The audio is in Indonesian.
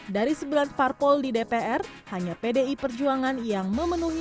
dari sembilan parpol di dpr hanya pdi perjuangan yang memenuhi